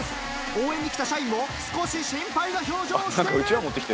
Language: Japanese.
応援に来た社員も少し心配な表情をしている！